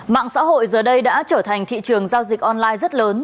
mạng xã hội giờ đây đã trở thành thị trường giao dịch online rất lớn